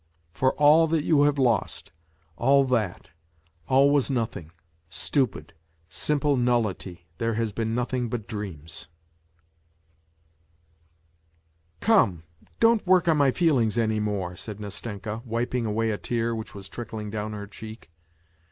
. for all that you have lost, all that, all was nothing, stupid, simple nullity, there has been nothing but dreams !"" Come, don't work on my feelings any more," said Nastenka, , wiping away a tear which was trickling down her cheek.